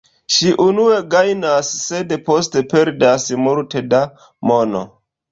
Ŝi unue gajnas, sed poste perdas multe da mono.